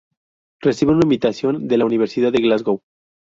Recibe una invitación de la Universidad de Glasgow.